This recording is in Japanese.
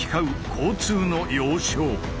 交通の要衝。